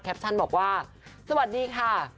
แคปชั่นบอกว่าสวัสดีค่ะ